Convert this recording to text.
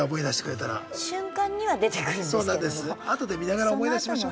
後で見ながら思い出しましょ。